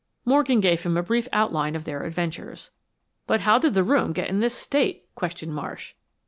Morgan gave him a brief outline of their adventures. "But how did the room get in this state?" questioned Marsh.